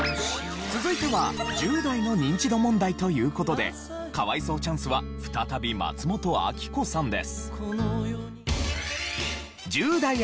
続いては１０代のニンチド問題という事で可哀想チャンスは再び松本明子さんです。